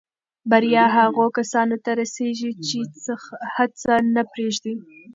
بریا هغو کسانو ته رسېږي چې هڅه نه پرېږدي.